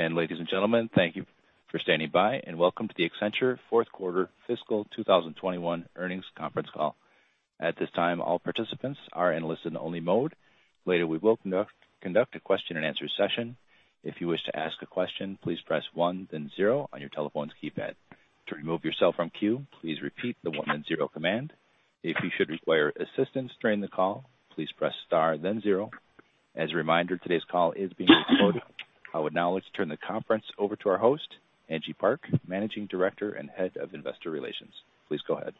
Ladies and gentlemen, thank you for standing by and welcome to the Accenture fourth quarter fiscal 2021 earnings conference call. At this time all participants are on listen-only mode. Later we will conduct a question-and-answer session. If you wish to ask a question please press one then zero on your telephone key pad. To remove yourself from the queue repeat the one and zero command. If you should require assistance during the call please press star then zero. As a reminder, this call is being recorded. I would now like to turn the conference over to our host, Angie Park, Managing Director and Head of Investor Relations. Please go ahead.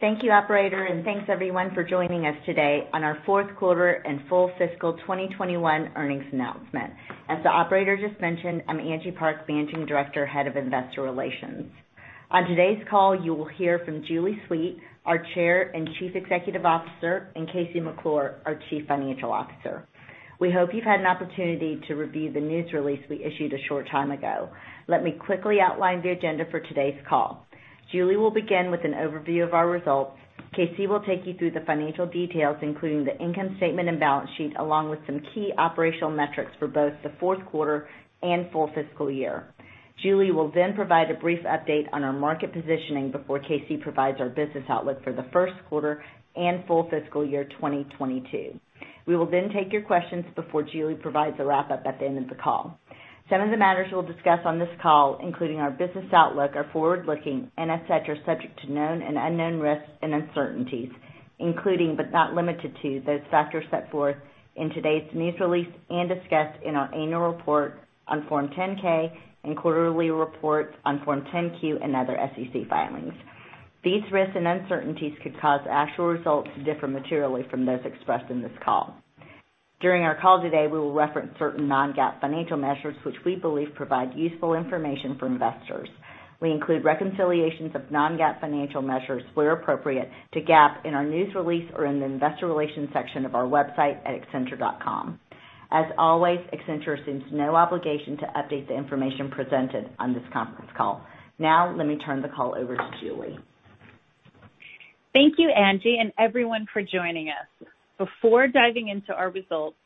Thank you operator, and thanks everyone for joining us today on our fourth quarter and full fiscal 2021 earnings announcement. As the operator just mentioned, I'm Angie Park, Managing Director, Head of Investor Relations. On today's call, you will hear from Julie Sweet, our Chair and Chief Executive Officer, and KC McClure, our Chief Financial Officer. We hope you've had an opportunity to review the news release we issued a short time ago. Let me quickly outline the agenda for today's call. Julie will begin with an overview of our results. KC will take you through the financial details, including the income statement and balance sheet, along with some key operational metrics for both the fourth quarter and full fiscal year. Julie will provide a brief update on our market positioning before KC provides our business outlook for the first quarter and full fiscal year 2022. We will then take your questions before Julie provides a wrap up at the end of the call. Some of the matters we'll discuss on this call, including our business outlook, are forward-looking and subject to known and unknown risks and uncertainties, including, but not limited to, those factors set forth in today's news release and discussed in our annual report on Form 10-K and quarterly reports on Form 10-Q and other SEC filings. These risks and uncertainties could cause actual results to differ materially from those expressed in this call. During our call today, we will reference certain non-GAAP financial measures, which we believe provide useful information for investors. We include reconciliations of non-GAAP financial measures where appropriate to GAAP in our news release or in the investor relations section of our website at accenture.com. As always, Accenture assumes no obligation to update the information presented on this conference call. Let me turn the call over to Julie. Thank you, Angie, and everyone for joining us. Before diving into our results,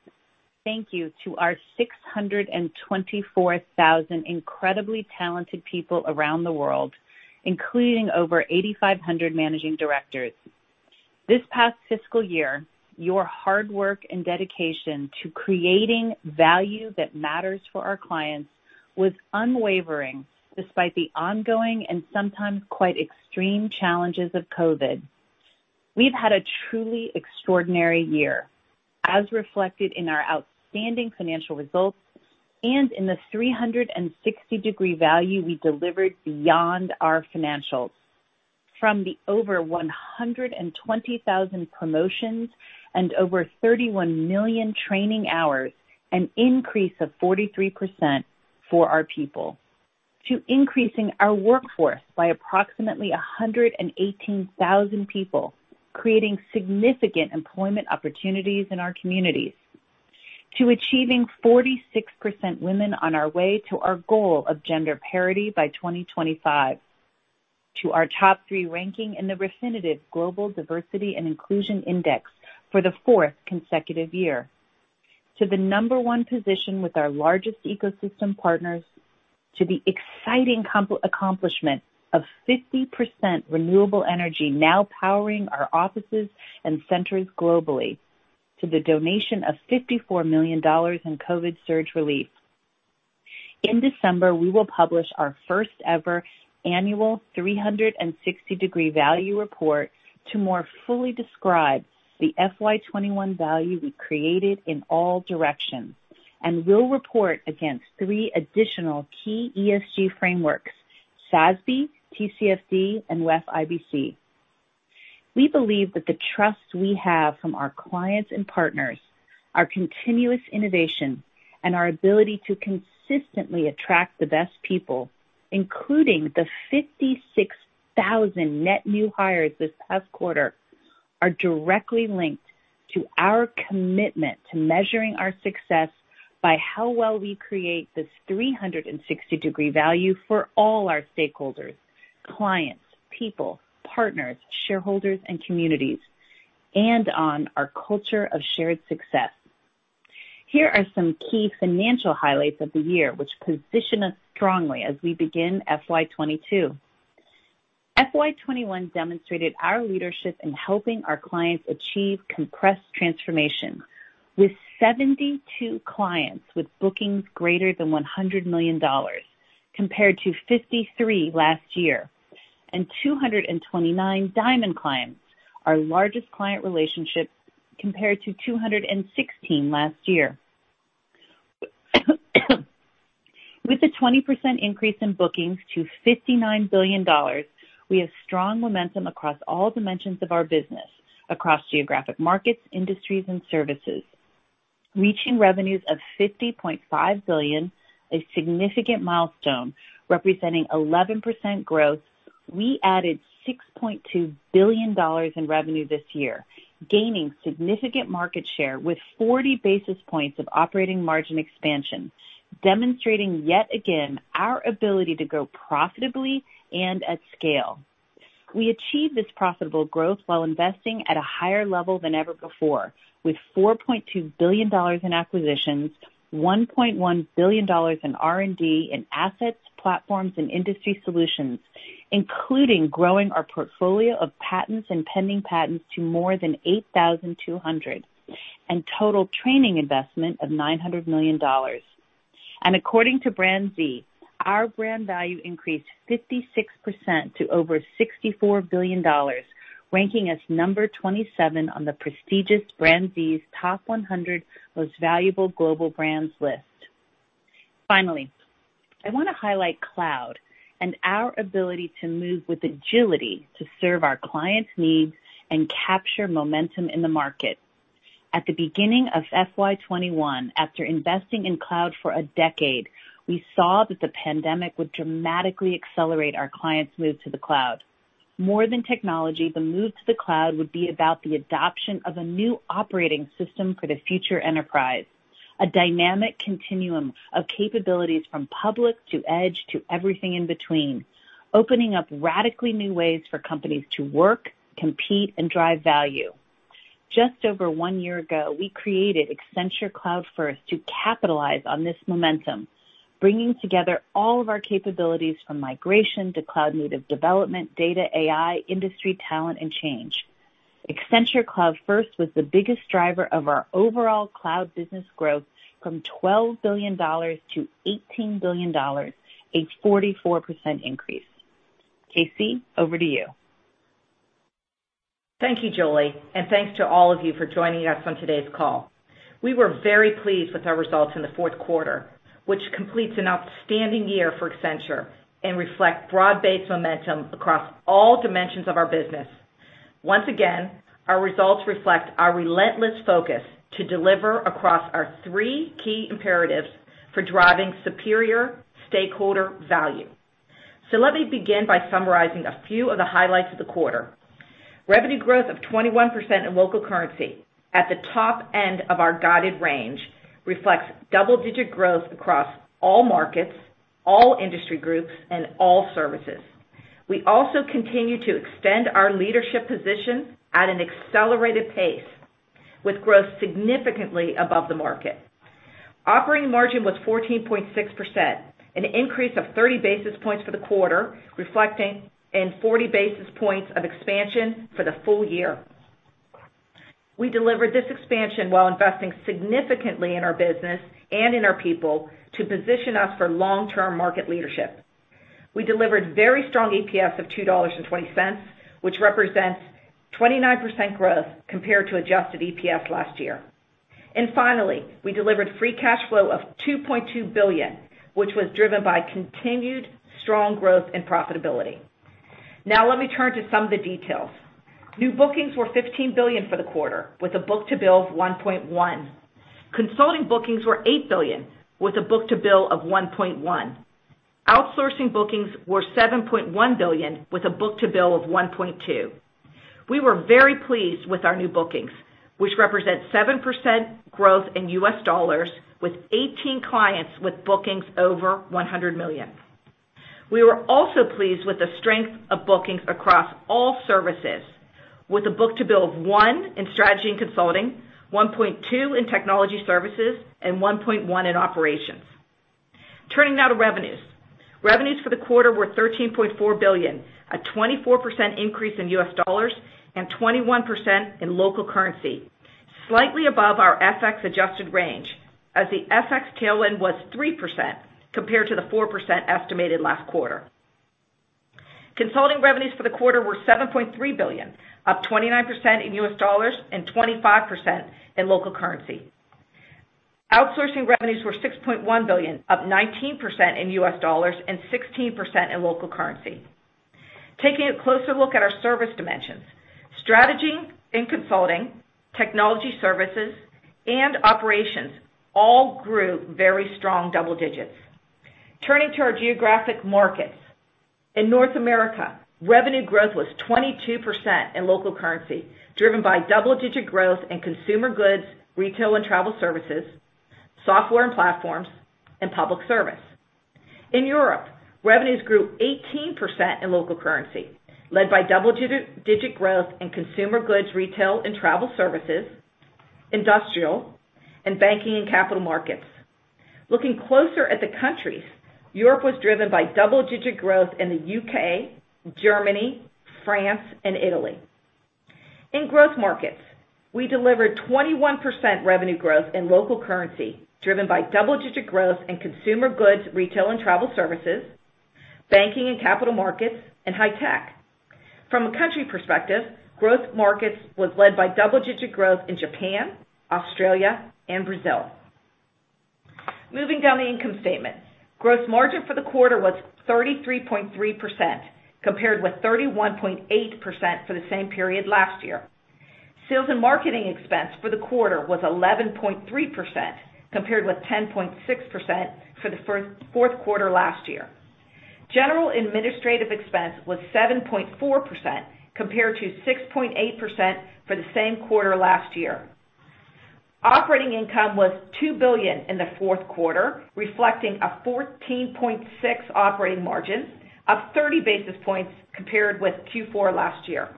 thank you to our 624,000 incredibly talented people around the world, including over 8,500 managing directors. This past fiscal year, your hard work and dedication to creating value that matters for our clients was unwavering despite the ongoing and sometimes quite extreme challenges of COVID. We've had a truly extraordinary year, as reflected in our outstanding financial results and in the 360-degree value we delivered beyond our financials. From the over 120,000 promotions and over 31 million training hours, an increase of 43% for our people, to increasing our workforce by approximately 118,000 people, creating significant employment opportunities in our communities, to achieving 46% women on our way to our goal of gender parity by 2025, to our top three ranking in the Refinitiv Global Diversity and Inclusion Index for the fourth consecutive year, to the number one position with our largest ecosystem partners, to the exciting accomplishment of 50% renewable energy now powering our offices and centers globally, to the donation of $54 million in COVID surge relief. In December, we will publish our first ever annual 360-degree value report to more fully describe the FY 2021 value we created in all directions and will report against three additional key ESG frameworks, SASB, TCFD, and WEF IBC. We believe that the trust we have from our clients and partners, our continuous innovation, and our ability to consistently attract the best people, including the 56,000 net new hires this past quarter, are directly linked to our commitment to measuring our success by how well we create this 360-degree value for all our stakeholders, clients, people, partners, shareholders, and communities, and on our culture of shared success. Here are some key financial highlights of the year which position us strongly as we begin FY 2022. FY 2021 demonstrated our leadership in helping our clients achieve compressed transformation with 72 clients with bookings greater than $100 million compared to 53 last year and 229 Diamond clients, our largest client relationships, compared to 216 last year. With a 20% increase in bookings to $59 billion, we have strong momentum across all dimensions of our business, across geographic markets, industries, and services. Reaching revenues of $50.5 billion, a significant milestone representing 11% growth, we added $6.2 billion in revenue this year, gaining significant market share with 40 basis points of operating margin expansion, demonstrating yet again our ability to grow profitably and at scale. We achieved this profitable growth while investing at a higher level than ever before, with $4.2 billion in acquisitions, $1.1 billion in R&D in assets, platforms, and industry solutions, including growing our portfolio of patents and pending patents to more than 8,200, and total training investment of $900 million. According to BrandZ, our brand value increased 56% to over $64 billion, ranking us number 27 on the prestigious BrandZ's Top 100 Most Valuable Global Brands list. Finally, I want to highlight Cloud and our ability to move with agility to serve our clients' needs and capture momentum in the market. At the beginning of FY 2021, after investing in cloud for a decade, we saw that the pandemic would dramatically accelerate our clients' move to the cloud. More than technology, the move to the cloud would be about the adoption of a new operating system for the future enterprise, a dynamic continuum of capabilities from public to edge to everything in between, opening up radically new ways for companies to work, compete, and drive value. Just over one year ago, we created Accenture Cloud First to capitalize on this momentum, bringing together all of our capabilities from migration to cloud-native development, data, AI, industry talent, and change. Accenture Cloud First was the biggest driver of our overall Cloud business growth from $12 billion-$18 billion, a 44% increase. KC, over to you. Thank you, Julie, and thanks to all of you for joining us on today's call. We were very pleased with our results in the fourth quarter, which completes an outstanding year for Accenture and reflect broad-based momentum across all dimensions of our business. Once again, our results reflect our relentless focus to deliver across our three key imperatives for driving superior stakeholder value. Let me begin by summarizing a few of the highlights of the quarter. Revenue growth of 21% in local currency at the top end of our guided range reflects double-digit growth across all markets, all industry groups, and all services. We also continue to extend our leadership position at an accelerated pace with growth significantly above the market. Operating margin was 14.6%, an increase of 30 basis points for the quarter, reflecting in 40 basis points of expansion for the full year. We delivered this expansion while investing significantly in our business and in our people to position us for long-term market leadership. We delivered very strong EPS of $2.20, which represents 29% growth compared to adjusted EPS last year. Finally, we delivered free cash flow of $2.2 billion, which was driven by continued strong growth and profitability. Now let me turn to some of the details. New bookings were $15 billion for the quarter, with a book-to-bill of 1.1. Consulting bookings were $8 billion, with a book-to-bill of 1.1. Outsourcing bookings were $7.1 billion, with a book-to-bill of 1.2. We were very pleased with our new bookings, which represent 7% growth in U.S. dollars, with 18 clients with bookings over $100 million. We were also pleased with the strength of bookings across all services, with a book-to-bill of one in Strategy and Consulting, 1.2 in Technology Services, and 1.1 in Operations. Turning now to revenues. Revenues for the quarter were $13.4 billion, a 24% increase in U.S. dollars and 21% in local currency, slightly above our FX-adjusted range, as the FX tailwind was 3% compared to the 4% estimated last quarter. Consulting revenues for the quarter were $7.3 billion, up 29% in U.S. dollars and 25% in local currency. Outsourcing revenues were $6.1 billion, up 19% in U.S. dollars and 16% in local currency. Taking a closer look at our service dimensions, Strategy and Consulting, Technology Services, and Operations all grew very strong double digits. Turning to our geographic markets. In North America, revenue growth was 22% in local currency, driven by double-digit growth in consumer goods, retail and travel services, software and platforms, and public service. In Europe, revenues grew 18% in local currency, led by double-digit growth in consumer goods, retail and travel services, industrial, and banking and capital markets. Looking closer at the countries, Europe was driven by double-digit growth in the U.K., Germany, France, and Italy. In growth markets, we delivered 21% revenue growth in local currency, driven by double-digit growth in consumer goods, retail and travel services, banking and capital markets, and high tech. From a country perspective, growth markets was led by double-digit growth in Japan, Australia, and Brazil. Moving down the income statement. Gross margin for the quarter was 33.3%, compared with 31.8% for the same period last year. Sales and marketing expense for the quarter was 11.3%, compared with 10.6% for the fourth quarter last year. General administrative expense was 7.4%, compared to 6.8% for the same quarter last year. Operating income was $2 billion in the fourth quarter, reflecting a 14.6% operating margin, up 30 basis points compared with Q4 last year.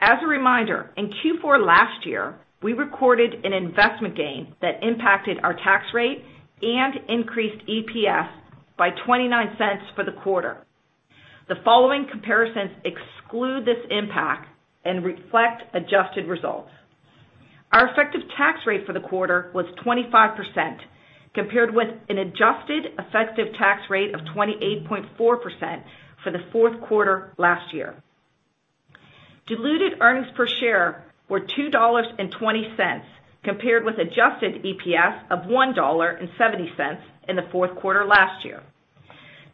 As a reminder, in Q4 last year, we recorded an investment gain that impacted our tax rate and increased EPS by $0.29 for the quarter. The following comparisons exclude this impact and reflect adjusted results. Our effective tax rate for the quarter was 25%, compared with an adjusted effective tax rate of 28.4% for the fourth quarter last year. Diluted earnings per share were $2.20, compared with adjusted EPS of $1.70 in the fourth quarter last year.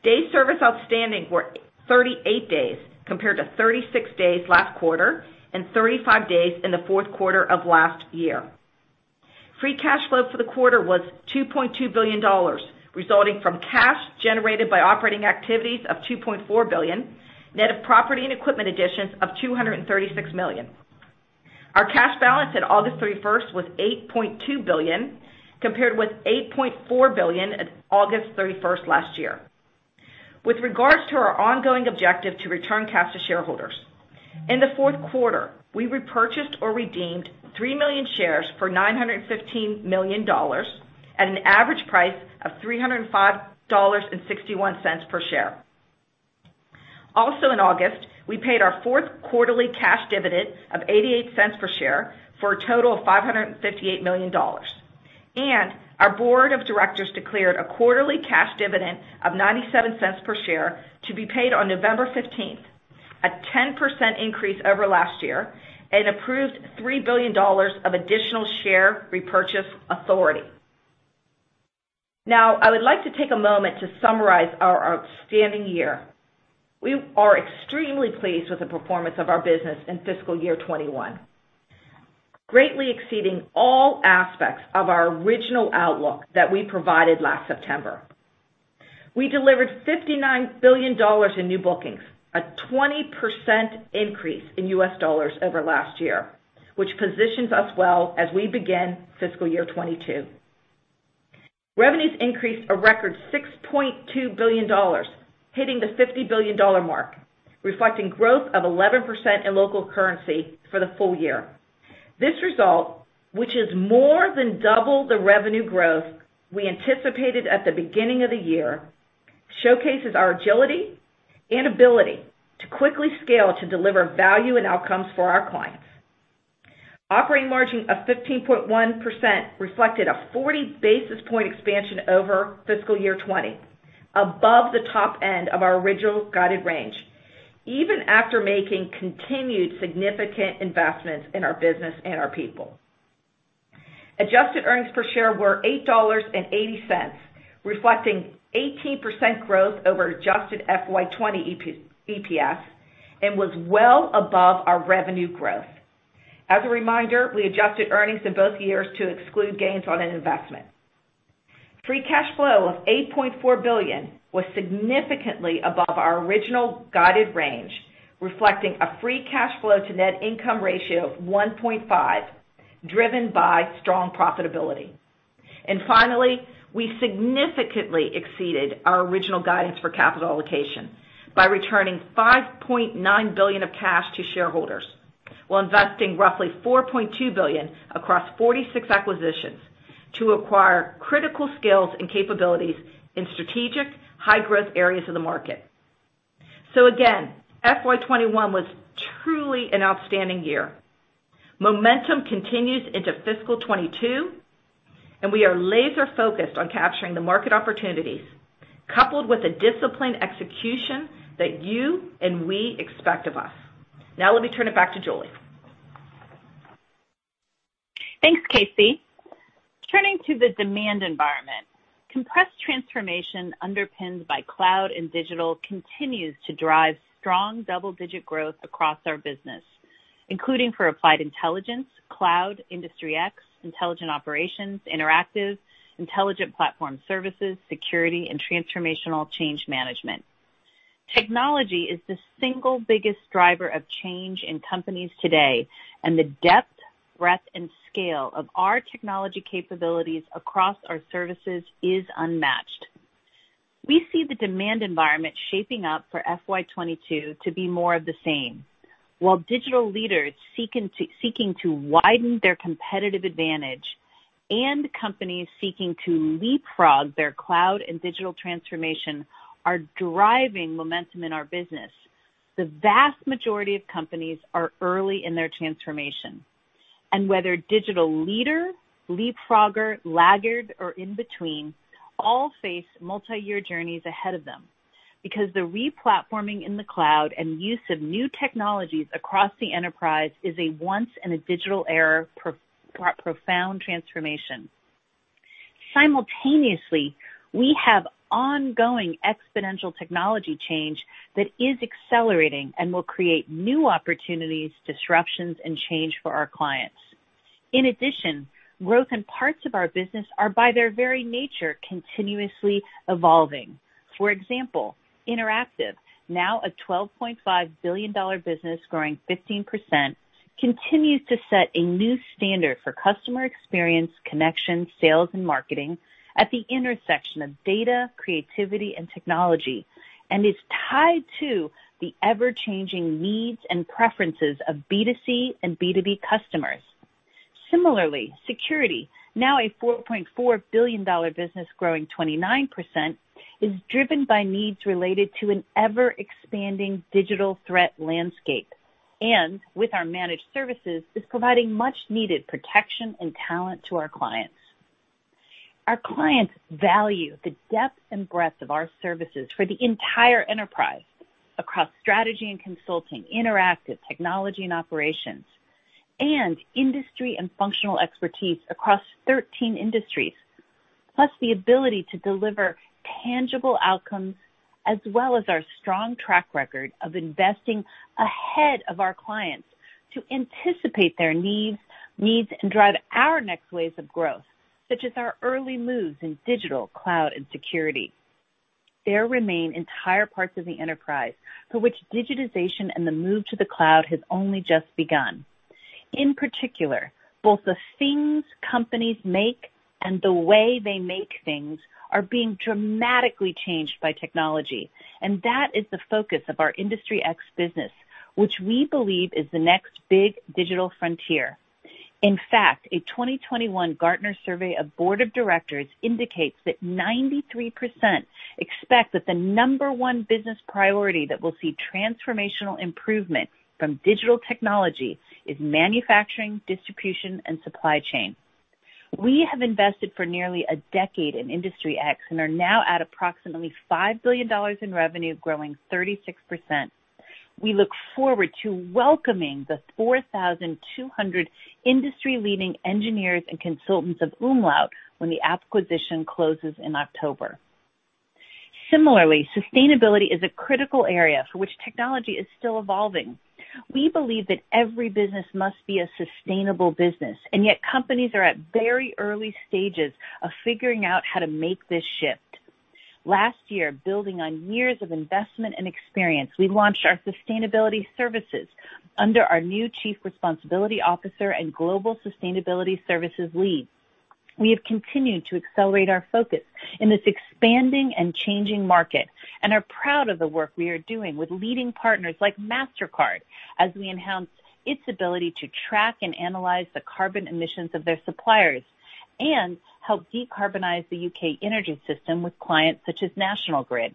Days Sales Outstanding were 38 days, compared to 36 days last quarter and 35 days in the fourth quarter of last year. Free cash flow for the quarter was $2.2 billion, resulting from cash generated by operating activities of $2.4 billion, net of property and equipment additions of $236 million. Our cash balance at August 31st was $8.2 billion, compared with $8.4 billion at August 31st last year. With regards to our ongoing objective to return cash to shareholders, in the fourth quarter, we repurchased or redeemed three million shares for $915 million at an average price of $305.61 per share. Also in August, we paid our fourth quarterly cash dividend of $0.88 per share for a total of $558 million. Our Board of Directors declared a quarterly cash dividend of $0.97 per share to be paid on November 15th, a 10% increase over last year, and approved $3 billion of additional share repurchase authority. Now, I would like to take a moment to summarize our outstanding year. We are extremely pleased with the performance of our business in fiscal year 2021, greatly exceeding all aspects of our original outlook that we provided last September. We delivered $59 billion in new bookings, a 20% increase in U.S. dollars over last year, which positions us well as we begin fiscal year 2022. Revenues increased a record $6.2 billion, hitting the $50 billion mark, reflecting growth of 11% in local currency for the full year. This result, which is more than double the revenue growth we anticipated at the beginning of the year, showcases our agility and ability to quickly scale to deliver value and outcomes for our clients. Operating margin of 15.1% reflected a 40 basis point expansion over fiscal year 2020, above the top end of our original guided range, even after making continued significant investments in our business and our people. Adjusted earnings per share were $8.80, reflecting 18% growth over adjusted FY 2020 EPS, and was well above our revenue growth. As a reminder, we adjusted earnings in both years to exclude gains on an investment. Free cash flow of $8.4 billion was significantly above our original guided range, reflecting a free cash flow to net income ratio of 1.5, driven by strong profitability. Finally, we significantly exceeded our original guidance for capital allocation by returning $5.9 billion of cash to shareholders, while investing roughly $4.2 billion across 46 acquisitions to acquire critical skills and capabilities in strategic high-growth areas of the market. Again, FY 2021 was truly an outstanding year. Momentum continues into fiscal 2022, and we are laser-focused on capturing the market opportunities, coupled with a disciplined execution that you and we expect of us. Let me turn it back to Julie. Thanks, KC. Turning to the demand environment. Compressed transformation underpinned by cloud and digital continues to drive strong double-digit growth across our business, including for Applied Intelligence, Cloud, Industry X, Intelligent Operations, Interactive, Intelligent Platform Services, Security, and Transformational Change Management. Technology is the single biggest driver of change in companies today, and the depth, breadth, and scale of our technology capabilities across our services is unmatched. We see the demand environment shaping up for FY 2022 to be more of the same. While digital leaders seeking to widen their competitive advantage and companies seeking to leapfrog their cloud and digital transformation are driving momentum in our business, the vast majority of companies are early in their transformation. Whether digital leader, leapfrogger, laggard, or in between, all face multi-year journeys ahead of them, because the re-platforming in the Cloud and use of new technologies across the enterprise is a once-in-a-digital-era profound transformation. Simultaneously, we have ongoing exponential technology change that is accelerating and will create new opportunities, disruptions, and change for our clients. In addition, growth in parts of our business are, by their very nature, continuously evolving. For example, Interactive, now a $12.5 billion business growing 15%, continues to set a new standard for customer experience, connection, sales, and marketing at the intersection of data, creativity, and technology, and is tied to the ever-changing needs and preferences of B2C and B2B customers. Similarly, Security, now a $4.4 billion business growing 29%, is driven by needs related to an ever-expanding digital threat landscape, and with our managed services, is providing much-needed protection and talent to our clients. Our clients value the depth and breadth of our services for the entire enterprise across strategy and consulting, interactive technology and operations, and industry and functional expertise across 13 industries, plus the ability to deliver tangible outcomes as well as our strong track record of investing ahead of our clients to anticipate their needs and drive our next waves of growth, such as our early moves in digital, Cloud, and Security. There remain entire parts of the enterprise for which digitization and the move to the Cloud has only just begun. In particular, both the things companies make and the way they make things are being dramatically changed by technology. That is the focus of our Industry X business, which we believe is the next big digital frontier. In fact, a 2021 Gartner Survey of board of directors indicates that 93% expect that the number one business priority that will see transformational improvement from digital technology is manufacturing, distribution, and supply chain. We have invested for nearly a decade in Industry X and are now at approximately $5 billion in revenue, growing 36%. We look forward to welcoming the 4,200 industry-leading engineers and consultants of umlaut when the acquisition closes in October. Similarly, sustainability is a critical area for which technology is still evolving. We believe that every business must be a sustainable business, and yet companies are at very early stages of figuring out how to make this shift. Last year, building on years of investment and experience, we launched our sustainability services under our new chief responsibility officer and global sustainability services lead. We have continued to accelerate our focus in this expanding and changing market and are proud of the work we are doing with leading partners like Mastercard as we enhance its ability to track and analyze the carbon emissions of their suppliers and help decarbonize the U.K. energy system with clients such as National Grid.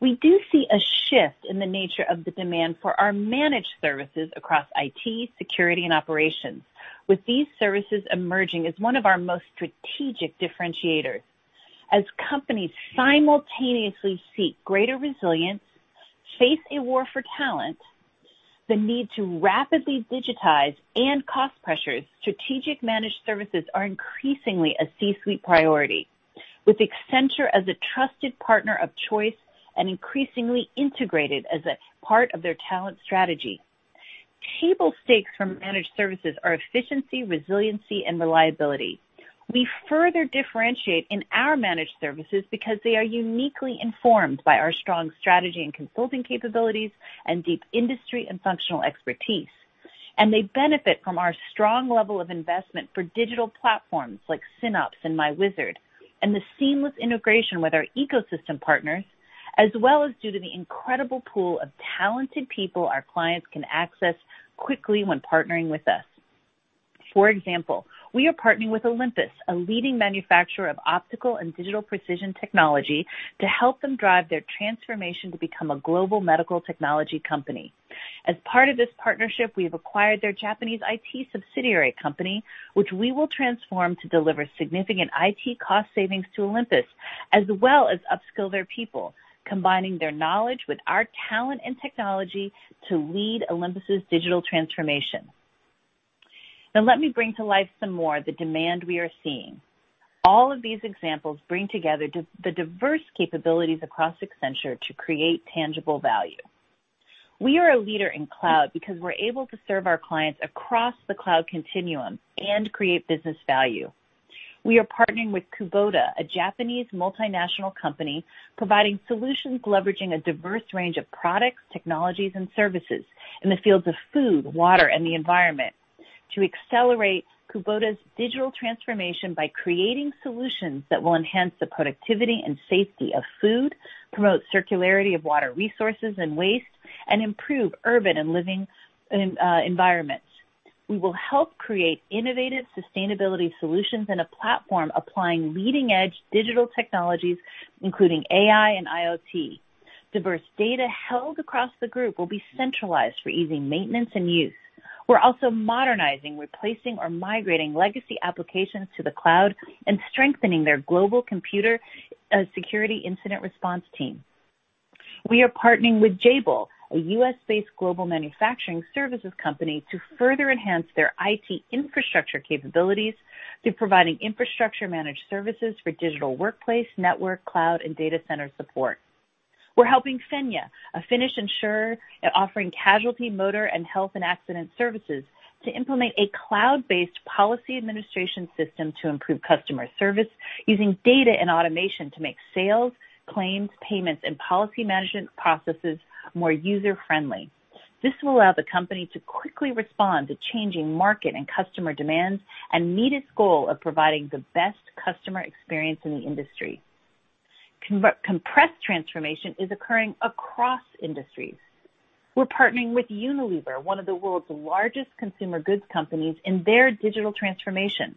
We do see a shift in the nature of the demand for our managed services across IT, security, and operations, with these services emerging as one of our most strategic differentiators. As companies simultaneously seek greater resilience, face a war for talent, the need to rapidly digitize and cost pressures, strategic managed services are increasingly a C-suite priority, with Accenture as a trusted partner of choice and increasingly integrated as a part of their talent strategy. Table stakes for managed services are efficiency, resiliency, and reliability. We further differentiate in our managed services because they are uniquely informed by our strong strategy and consulting capabilities and deep industry and functional expertise. They benefit from our strong level of investment for digital platforms like SynOps and myWizard and the seamless integration with our ecosystem partners, as well as due to the incredible pool of talented people our clients can access quickly when partnering with us. For example, we are partnering with Olympus, a leading manufacturer of optical and digital precision technology, to help them drive their transformation to become a global medical technology company. As part of this partnership, we have acquired their Japanese IT subsidiary company, which we will transform to deliver significant IT cost savings to Olympus, as well as upskill their people, combining their knowledge with our talent and technology to lead Olympus's digital transformation. Now, let me bring to life some more the demand we are seeing. All of these examples bring together the diverse capabilities across Accenture to create tangible value. We are a leader in Cloud because we're able to serve our clients across the Cloud continuum and create business value. We are partnering with Kubota, a Japanese multinational company providing solutions leveraging a diverse range of products, technologies, and services in the fields of food, water, and the environment to accelerate Kubota's digital transformation by creating solutions that will enhance the productivity and safety of food, promote circularity of water resources and waste, and improve urban and living environments. We will help create innovative sustainability solutions and a platform applying leading-edge digital technologies, including AI and IoT. Diverse data held across the group will be centralized for easy maintenance and use. We're also modernizing, replacing, or migrating legacy applications to the Cloud and strengthening their global computer security incident response team. We are partnering with Jabil, a U.S.-based global manufacturing services company, to further enhance their IT infrastructure capabilities through providing infrastructure managed services for digital workplace, network, Cloud, and data center support. We're helping Fennia, a Finnish insurer offering casualty, motor, and health and accident services, to implement a Cloud-based policy administration system to improve customer service using data and automation to make sales, claims, payments, and policy management processes more user-friendly. This will allow the company to quickly respond to changing market and customer demands and meet its goal of providing the best customer experience in the industry. Compressed transformation is occurring across industries. We're partnering with Unilever, one of the world's largest consumer goods companies, in their digital transformation.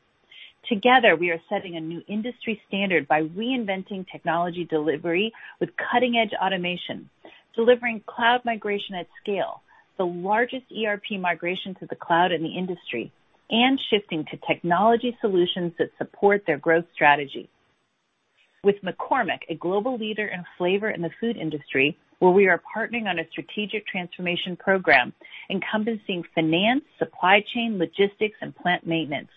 Together, we are setting a new industry standard by reinventing technology delivery with cutting-edge automation, delivering Cloud migration at scale, the largest ERP migration to the Cloud in the industry, and shifting to technology solutions that support their growth strategy. With McCormick, a global leader in flavor in the food industry, where we are partnering on a strategic transformation program encompassing finance, supply chain, logistics, and plant maintenance.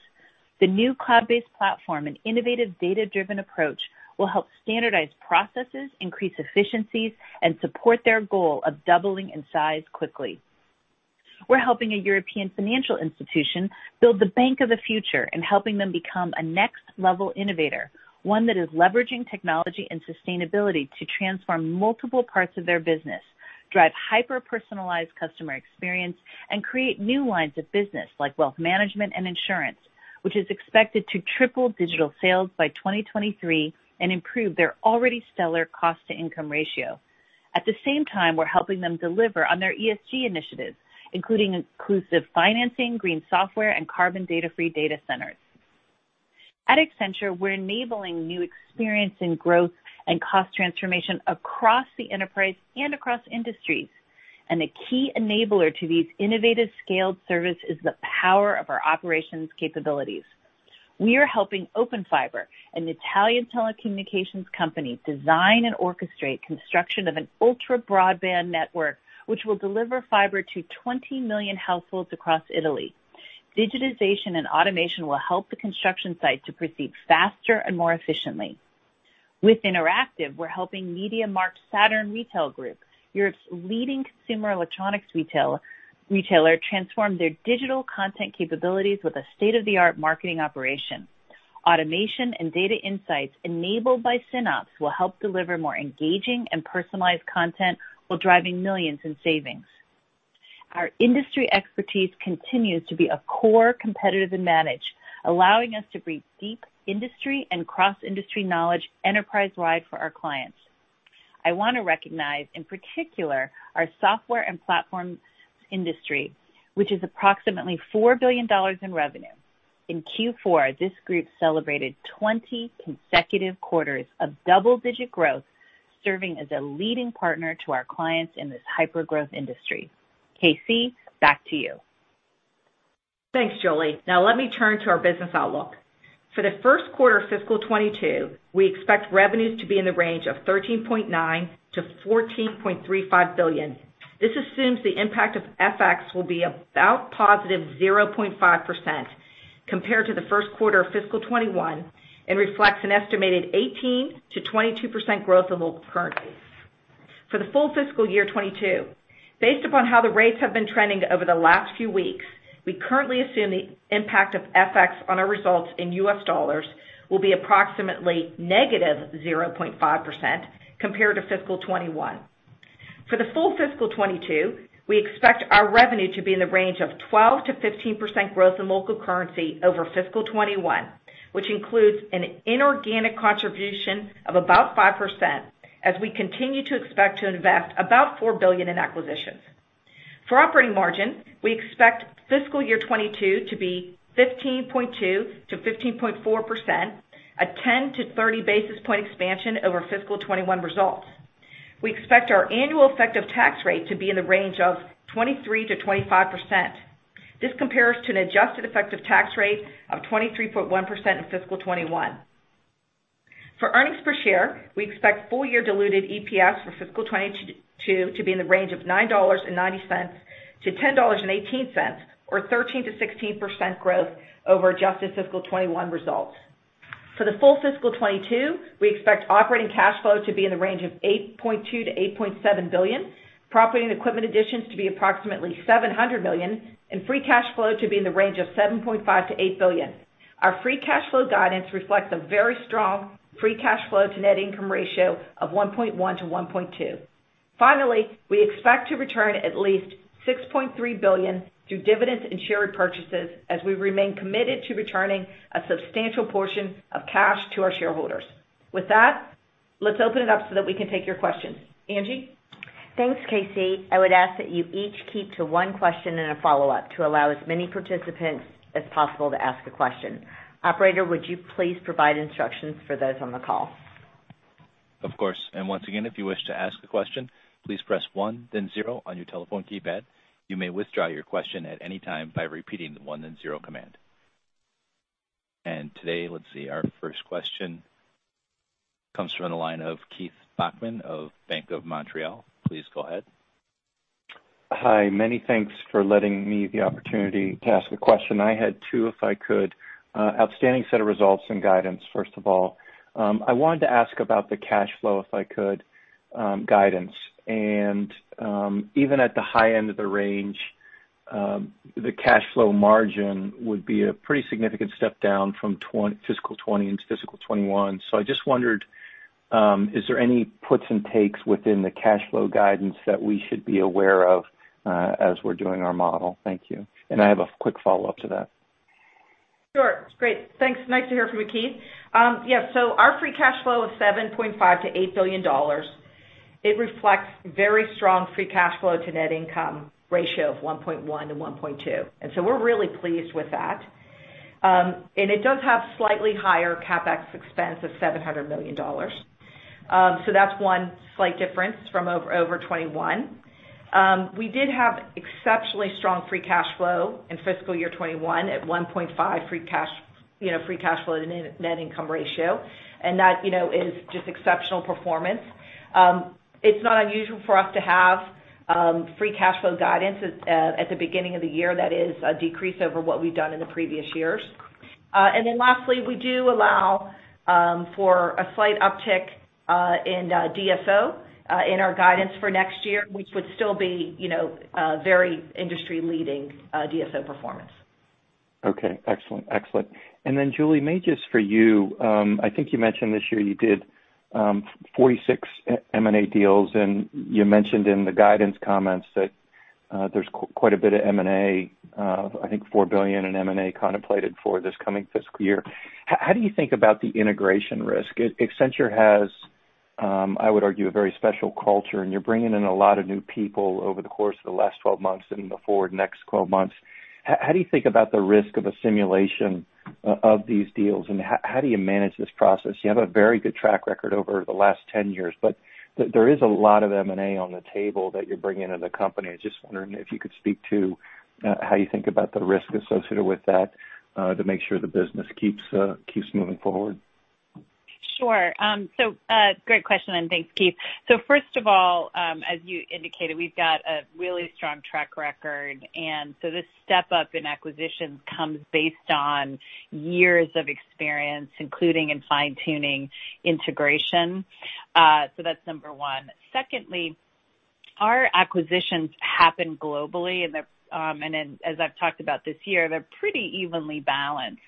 The new Cloud-based platform and innovative data-driven approach will help standardize processes, increase efficiencies, and support their goal of doubling in size quickly. We're helping a European financial institution build the bank of the future and helping them become a next-level innovator, one that is leveraging technology and sustainability to transform multiple parts of their business, drive hyper-personalized customer experience, and create new lines of business like wealth management and insurance, which is expected to triple digital sales by 2023 and improve their already stellar cost-to-income ratio. At the same time, we're helping them deliver on their ESG initiatives, including inclusive financing, green software, and carbon data-free data centers. At Accenture, we're enabling new experience in growth and cost transformation across the enterprise and across industries. A key enabler to these innovative scaled services is the power of our operations capabilities. We are helping Open Fiber, an Italian telecommunications company, design and orchestrate construction of an ultra broadband network, which will deliver fiber to 20 million households across Italy. Digitization and automation will help the construction site to proceed faster and more efficiently. With Accenture Interactive, we're helping MediaMarktSaturn Retail Group, Europe's leading consumer electronics retailer, transform their digital content capabilities with a state-of-the-art marketing operation. Automation and data insights enabled by SynOps will help deliver more engaging and personalized content while driving millions in savings. Our industry expertise continues to be a core competitive advantage, allowing us to bring deep industry and cross-industry knowledge enterprise-wide for our clients. I want to recognize in particular our software and platform industry, which is approximately $4 billion in revenue. In Q4, this group celebrated 20 consecutive quarters of double-digit growth, serving as a leading partner to our clients in this hyper-growth industry. KC, back to you. Thanks, Julie. Now let me turn to our business outlook. For the first quarter of fiscal 2022, we expect revenues to be in the range of $13.9 billion-$14.35 billion. This assumes the impact of FX will be about +0.5% compared to the first quarter of fiscal 2021 and reflects an estimated 18%-22% growth of local currency. For the full fiscal year 2022, based upon how the rates have been trending over the last few weeks, we currently assume the impact of FX on our results in U.S. dollars will be approximately -0.5% compared to fiscal 2021. For the full fiscal 2022, we expect our revenue to be in the range of 12%-15% growth in local currency over fiscal 2021, which includes an inorganic contribution of about 5% as we continue to expect to invest about $4 billion in acquisitions. For operating margin, we expect fiscal year 2022 to be 15.2%-15.4%, a 10 basis point-30 basis point expansion over fiscal 2021 results. We expect our annual effective tax rate to be in the range of 23%-25%. This compares to an adjusted effective tax rate of 23.1% in fiscal 2021. For earnings per share, we expect full year diluted EPS for fiscal 2022 to be in the range of $9.90-$10.18, or 13%-16% growth over adjusted fiscal 2021 results. For the full fiscal 2022, we expect operating cash flow to be in the range of $8.2 billion-$8.7 billion, property and equipment additions to be approximately $700 million, and free cash flow to be in the range of $7.5 billion-$8 billion. Our free cash flow guidance reflects a very strong free cash flow to net income ratio of 1.1-1.2. Finally, we expect to return at least $6.3 billion through dividends and share repurchases as we remain committed to returning a substantial portion of cash to our shareholders. With that, let's open it up so that we can take your questions. Angie? Thanks, KC. I would ask that you each keep to one question and a follow-up to allow as many participants as possible to ask a question. Operator, would you please provide instructions for those on the call? Of course. Once again if you wish to ask a question please press one then zero on your telephone keypad. You may withdraw your question at any time by repeating one and zero command. Today, let's see, our first question comes from the line of Keith Bachman of Bank of Montreal. Please go ahead. Hi, many thanks for letting me the opportunity to ask a question. I had two, if I could. Outstanding set of results and guidance, first of all. I wanted to ask about the cash flow, if I could, guidance. Even at the high end of the range, the cash flow margin would be a pretty significant step down from fiscal 2020 into fiscal 2021. I just wondered, is there any puts and takes within the cash flow guidance that we should be aware of as we're doing our model? Thank you. I have a quick follow-up to that. Sure. Great. Thanks. Nice to hear from you, Keith. Our free cash flow is $7.5 billion-$8 billion. It reflects very strong free cash flow to net income ratio of 1.1-1.2. We're really pleased with that. It does have slightly higher CapEx expense of $700 million. That's one slight difference from over 2021. We did have exceptionally strong free cash flow in fiscal year 2021 at 1.5 free cash flow to net income ratio. That is just exceptional performance. It's not unusual for us to have free cash flow guidance at the beginning of the year that is a decrease over what we've done in the previous years. Lastly, we do allow for a slight uptick in DSO in our guidance for next year, which would still be very industry-leading DSO performance. Okay. Excellent. Julie, maybe just for you, I think you mentioned this year you did 46 M&A deals, and you mentioned in the guidance comments that there's quite a bit of M&A, I think $4 billion in M&A contemplated for this coming fiscal year. How do you think about the integration risk? Accenture has, I would argue, a very special culture, and you're bringing in a lot of new people over the course of the last 12 months and the forward next 12 months. How do you think about the risk of assimilation of these deals, and how do you manage this process? You have a very good track record over the last 10 years, but there is a lot of M&A on the table that you're bringing into the company. I just wondering if you could speak to how you think about the risk associated with that to make sure the business keeps moving forward. Sure. Great question, and thanks, Keith. First of all, as you indicated, we've got a really strong track record, this step up in acquisitions comes based on years of experience, including and fine-tuning integration. That's number one. Secondly, our acquisitions happen globally, and as I've talked about this year, they're pretty evenly balanced.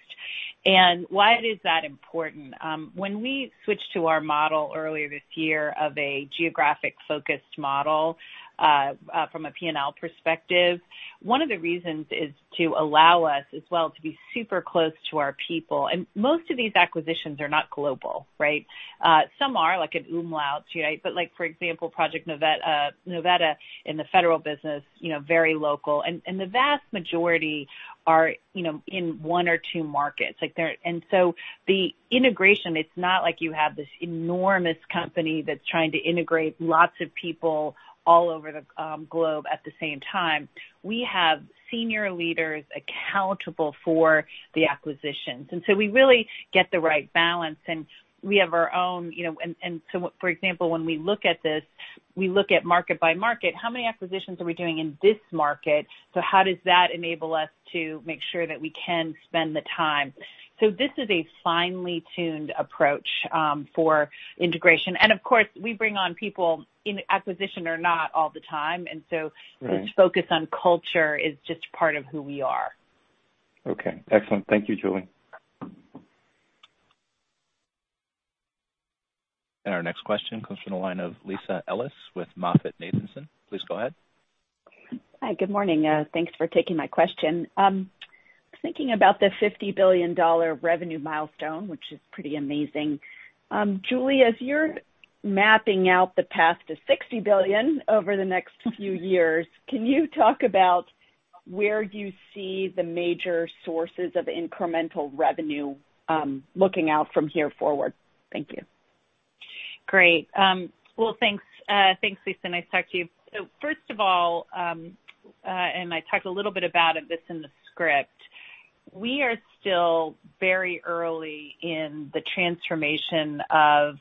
Why is that important? When we switched to our model earlier this year of a geographic-focused model from a P&L perspective, one of the reasons is to allow us as well to be super close to our people. Most of these acquisitions are not global, right? Some are, like at umlaut, but like for example, Project Novetta in the federal business, very local. The vast majority are in one or two markets. The integration, it's not like you have this enormous company that's trying to integrate lots of people all over the globe at the same time. We have senior leaders accountable for the acquisitions. We really get the right balance, and we have our own. For example, when we look at this, we look at market by market. How many acquisitions are we doing in this market? How does that enable us to make sure that we can spend the time? This is a finely tuned approach for integration. We bring on people in acquisition or not all the time. Right. This focus on culture is just part of who we are. Okay. Excellent. Thank you, Julie. Our next question comes from the line of Lisa Ellis with MoffettNathanson. Please go ahead. Hi. Good morning. Thanks for taking my question. I'm thinking about the $50 billion revenue milestone, which is pretty amazing. Julie, as you're mapping out the path to $60 billion over the next few years, can you talk about where you see the major sources of incremental revenue looking out from here forward? Thank you. Great. Well, thanks, Lisa. Nice to talk to you. First of all, I talked a little bit about this in the script. We are still very early in the transformation of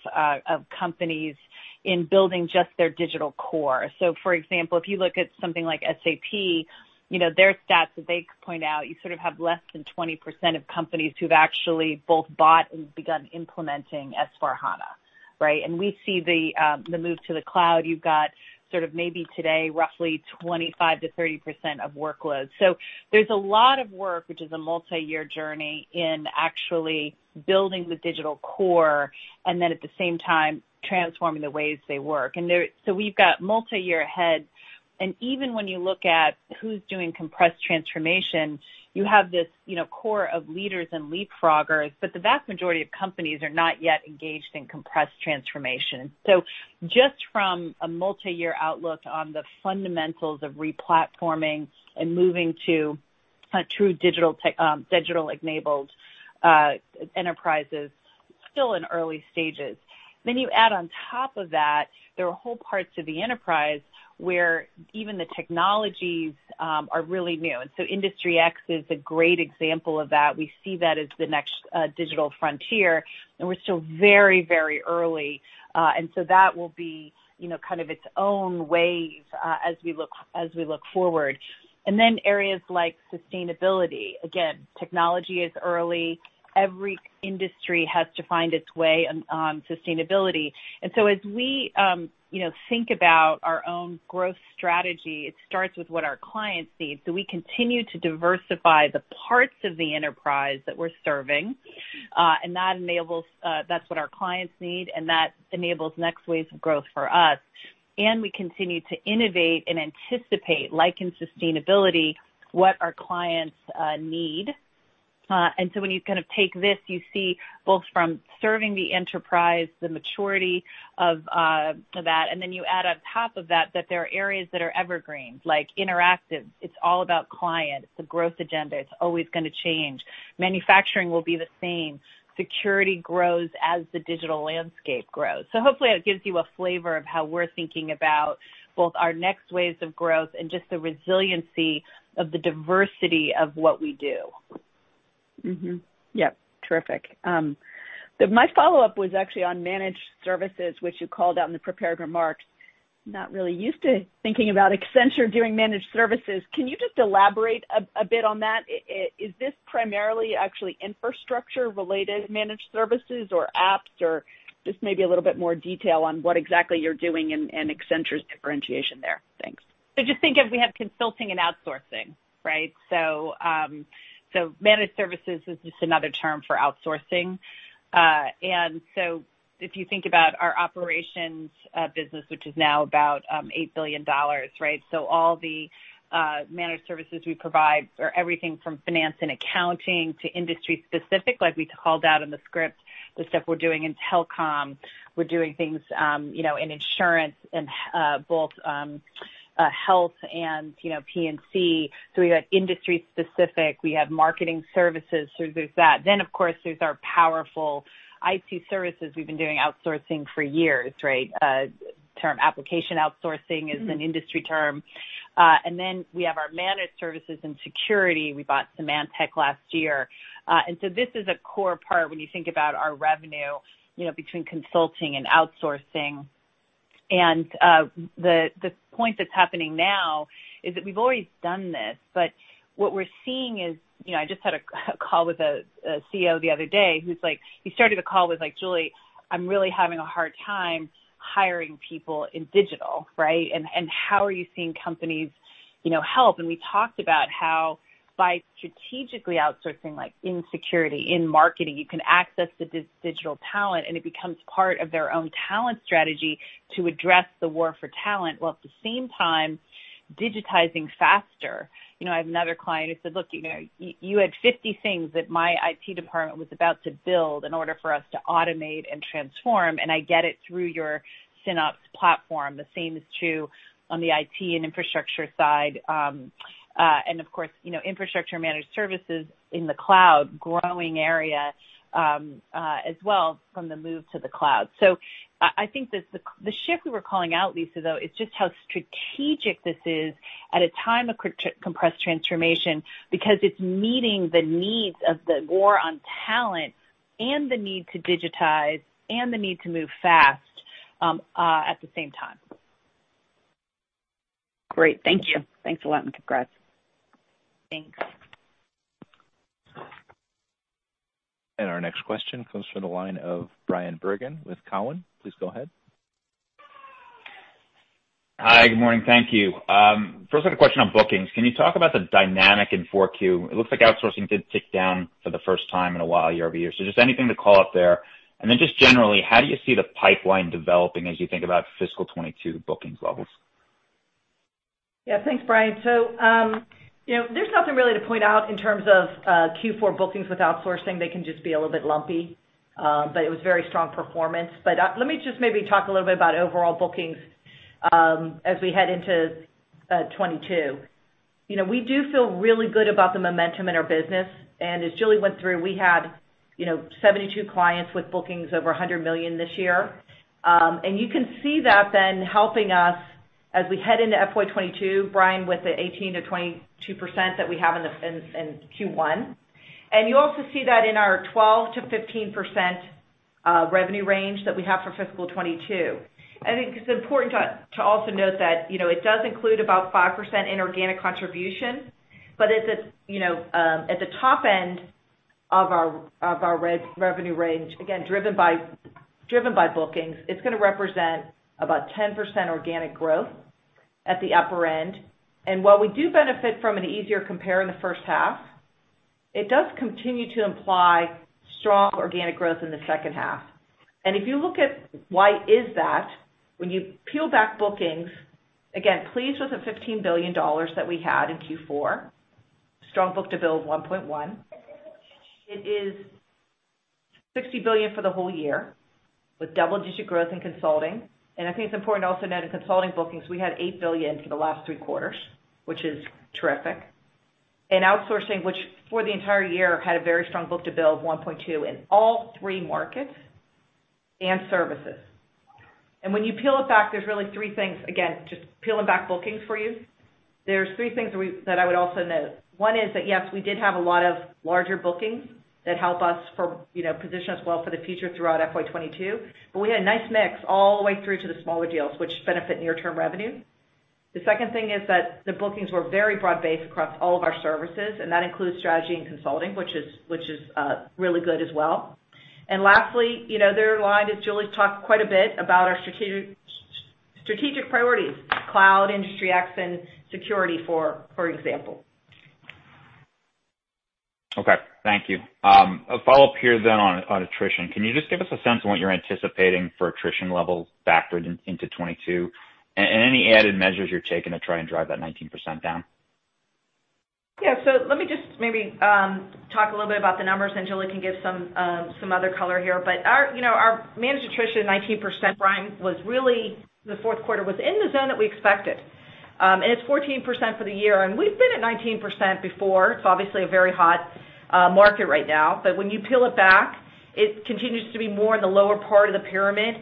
companies in building just their digital core. For example, if you look at something like SAP, their stats that they point out, you sort of have less than 20% of companies who've actually both bought and begun implementing S/4HANA, right? We see the move to the Cloud. You've got sort of maybe today roughly 25%-30% of workloads. There's a lot of work, which is a multi-year journey in actually building the digital core and then at the same time transforming the ways they work. We've got multi-year ahead. Even when you look at who's doing compressed transformation, you have this core of leaders and leapfroggers, but the vast majority of companies are not yet engaged in compressed transformation. Just from a multi-year outlook on the fundamentals of re-platforming and moving to a true digital-enabled enterprises, still in early stages. You add on top of that, there are whole parts of the enterprise where even the technologies are really new. Industry X is a great example of that. We see that as the next digital frontier, and we're still very early. That will be kind of its own wave as we look forward. Areas like sustainability, again, technology is early. Every industry has to find its way on sustainability. As we think about our own growth strategy, it starts with what our clients need. We continue to diversify the parts of the enterprise that we're serving, that's what our clients need, and that enables next waves of growth for us. We continue to innovate and anticipate, like in sustainability, what our clients need. When you kind of take this, you see both from serving the enterprise, the maturity of that, and then you add on top of that there are areas that are evergreen, like interactive. It's all about client. It's a growth agenda. It's always going to change. Manufacturing will be the same. Security grows as the digital landscape grows. Hopefully that gives you a flavor of how we're thinking about both our next waves of growth and just the resiliency of the diversity of what we do. Mm-hmm. Yep. Terrific. My follow-up was actually on managed services, which you called out in the prepared remarks. Not really used to thinking about Accenture doing managed services. Can you just elaborate a bit on that? Is this primarily actually infrastructure-related managed services or apps? Or just maybe a little bit more detail on what exactly you're doing and Accenture's differentiation there. Thanks. Just think of we have consulting and outsourcing, right? Managed services is just another term for outsourcing. If you think about our operations business, which is now about $8 billion, right? All the managed services we provide are everything from finance and accounting to industry-specific, like we called out in the script, the stuff we're doing in telecom, we're doing things in insurance and both health and P&C. We've got industry-specific, we have marketing services. There's that. Of course, there's our powerful IT services. We've been doing outsourcing for years, right? Term application outsourcing is an industry term. Then we have our managed services and security. We bought Symantec last year. This is a core part when you think about our revenue, between consulting and outsourcing. The point that's happening now is that we've always done this, but what we're seeing is I just had a call with a CEO the other day who started the call with, "Julie, I'm really having a hard time hiring people in digital," right? "How are you seeing companies help?" We talked about how by strategically outsourcing, like in security, in marketing, you can access the digital talent, and it becomes part of their own talent strategy to address the war for talent, while at the same time digitizing faster. I have another client who said, "Look, you had 50 things that my IT department was about to build in order for us to automate and transform, and I get it through your SynOps platform." The same is true on the IT and infrastructure side. Of course, infrastructure managed services in the Cloud, growing area as well from the move to the Cloud. I think the shift we were calling out, Lisa, though, is just how strategic this is at a time of compressed transformation, because it's meeting the needs of the war on talent and the need to digitize and the need to move fast at the same time. Great. Thank you. Thanks a lot. Congrats. Thanks. Our next question comes from the line of Bryan Bergin with Cowen. Please go ahead. Hi. Good morning. Thank you. First, I have a question on bookings. Can you talk about the dynamic in 4Q? It looks like outsourcing did tick down for the first time in a while year-over-year. Just anything to call out there. Just generally, how do you see the pipeline developing as you think about fiscal 2022 bookings levels? Thanks, Bryan. There's nothing really to point out in terms of Q4 bookings with outsourcing. They can just be a little bit lumpy. It was very strong performance. Let me just maybe talk a little bit about overall bookings as we head into 2022. We do feel really good about the momentum in our business. As Julie went through, we had 72 clients with bookings over $100 million this year. You can see that then helping us as we head into FY 2022, Bryan, with the 18%-22% that we have in Q1. You also see that in our 12%-15% revenue range that we have for fiscal 2022. I think it's important to also note that it does include about 5% inorganic contribution. At the top end of our revenue range, again, driven by bookings, it's going to represent about 10% organic growth at the upper end. While we do benefit from an easier compare in the first half, it does continue to imply strong organic growth in the second half. If you look at why is that, when you peel back bookings, again, pleased with the $15 billion that we had in Q4, strong book-to-bill of 1.1. It is $60 billion for the whole year with double-digit growth in consulting. I think it's important to also note in consulting bookings, we had $8 billion for the last three quarters, which is terrific. Outsourcing, which for the entire year had a very strong book-to-bill of 1.2 in all three markets and services. When you peel it back, there's really three things. Again, just peeling back bookings for you. There's three things that I would also note. One is that, yes, we did have a lot of larger bookings that help position us well for the future throughout FY 2022, but we had a nice mix all the way through to the smaller deals, which benefit near-term revenue. The second thing is that the bookings were very broad-based across all of our services, and that includes strategy and consulting, which is really good as well. Lastly, they're aligned, as Julie talked quite a bit about our strategic priorities, Cloud, Industry X, and Security, for example. Okay, thank you. A follow-up here on attrition. Can you just give us a sense of what you're anticipating for attrition levels backward into 2022, and any added measures you're taking to try and drive that 19% down? Yeah. Let me just maybe talk a little bit about the numbers, and Julie can give some other color here. Our managed attrition, 19%, Bryan, the fourth quarter, was in the zone that we expected. It's 14% for the year, and we've been at 19% before. It's obviously a very hot market right now, but when you peel it back, it continues to be more in the lower part of the pyramid.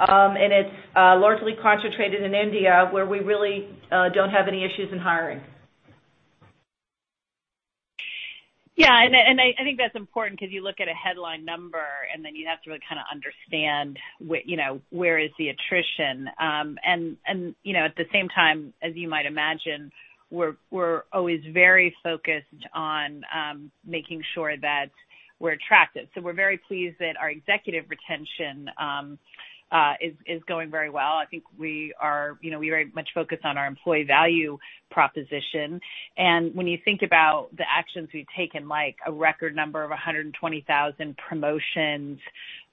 It's largely concentrated in India, where we really don't have any issues in hiring. I think that's important because you look at a headline number, you have to really kind of understand where is the attrition. At the same time, as you might imagine, we're always very focused on making sure that we're attractive. We're very pleased that our executive retention is going very well. I think we very much focus on our employee value proposition. When you think about the actions we've taken, like a record number of 120,000 promotions,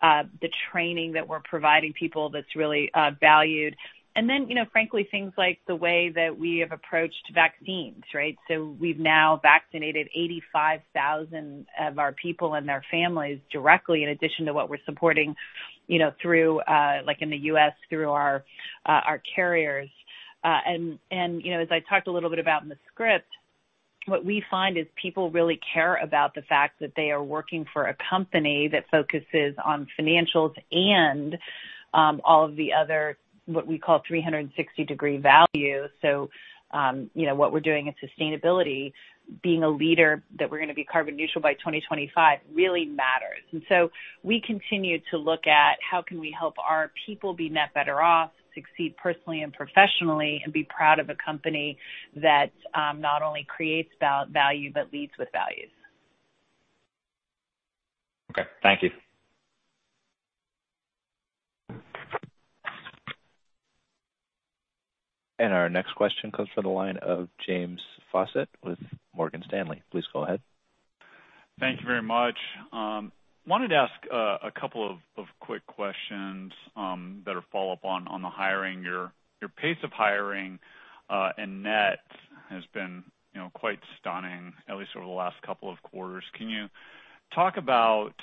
the training that we're providing people that's really valued. Then, frankly, things like the way that we have approached vaccines, right? We've now vaccinated 85,000 of our people and their families directly, in addition to what we're supporting like in the U.S., through our carriers. As I talked a little bit about in the script, what we find is people really care about the fact that they are working for a company that focuses on financials and all of the other, what we call 360-degree value. What we're doing in sustainability, being a leader, that we're going to be carbon neutral by 2025 really matters. We continue to look at how can we help our people be net better off, succeed personally and professionally, and be proud of a company that not only creates value, but leads with values. Okay, thank you. Our next question comes from the line of James Faucette with Morgan Stanley. Please go ahead. Thank you very much. I wanted to ask two quick questions that are follow-up on the hiring. Your pace of hiring and net has been quite stunning, at least over the last couple of quarters. Can you talk about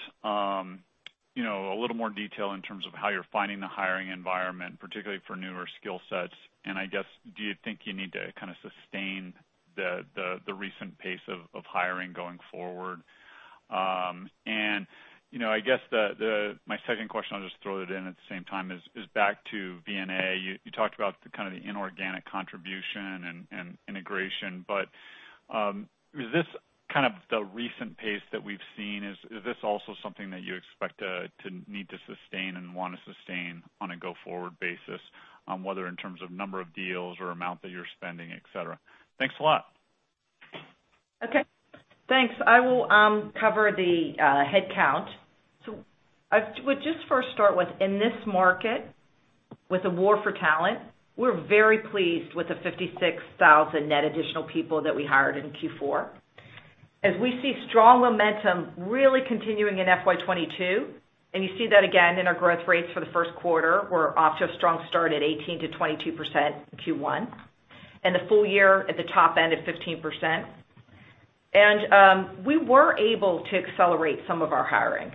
a little more detail in terms of how you're finding the hiring environment, particularly for newer skill sets? I guess, do you think you need to kind of sustain the recent pace of hiring going forward? I guess my second question, I'll just throw it in at the same time, is back to M&A. You talked about the kind of the inorganic contribution and integration, but is this kind of the recent pace that we've seen? Is this also something that you expect to need to sustain and want to sustain on a go-forward basis, whether in terms of number of deals or amount that you're spending, et cetera? Thanks a lot. Okay, thanks. I will cover the headcount. I would just first start with, in this market with a war for talent, we're very pleased with the 56,000 net additional people that we hired in Q4. As we see strong momentum really continuing in FY 2022, and you see that again in our growth rates for the first quarter. We're off to a strong start at 18%-22% in Q1, and the full year at the top end at 15%. We were able to accelerate some of our hiring,